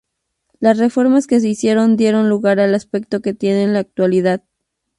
Las reformas que se hicieron dieron lugar al aspecto que tiene en la actualidad.